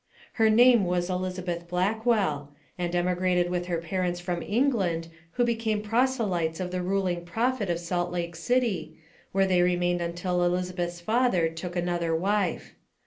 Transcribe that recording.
Her name was Elizabeth Blackwell, and emigrated with her parents from England, who became proselytes of the ruling prophet of Salt Lake City, where they remained until Elizabeth's father took an other wife.